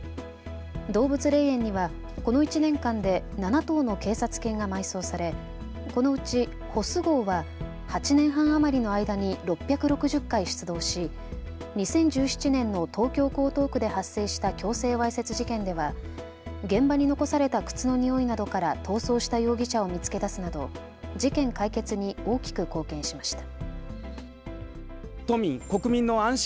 動物霊園にはこの１年間で７頭の警察犬が埋葬されこのうちホス号は８年半余りの間に６６０回出動し２０１７年の東京江東区で発生した強制わいせつ事件では現場に残された靴のにおいなどから逃走した容疑者を見つけ出すなど事件解決に大きく貢献しました。